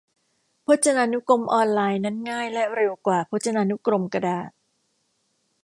พจนานุกรมออนไลน์นั้นง่ายและเร็วกว่าพจนานุกรมกระดาษ